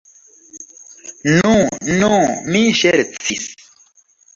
Nu, nu, mi ŝercis.